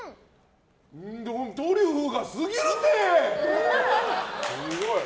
トリュフがすぎるて！